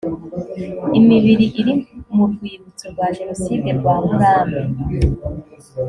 imibiri iri mu rwibutso rwa jenoside rwa murambi